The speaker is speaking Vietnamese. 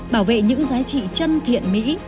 bảo vệ những giá trị chân thiện mỹ